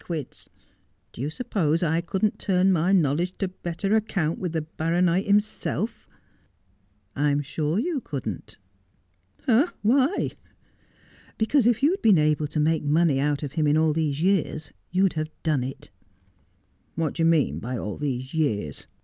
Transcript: quids. Do you suppose I couldn't turn my knowledge to better account with the baronight himself 1 '' I'm sure you couldn't.' 'Why?' ' Because if you'd been able to make money out of him in all these years, you'd have done it.' ' What do you mean by all these years